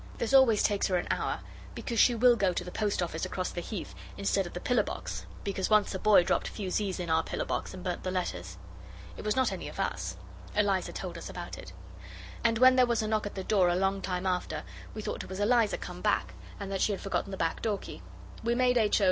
This always takes her an hour, because she will go to the post office across the Heath instead of the pillar box, because once a boy dropped fusees in our pillar box and burnt the letters. It was not any of us; Eliza told us about it. And when there was a knock at the door a long time after we thought it was Eliza come back, and that she had forgotten the back door key. We made H. O.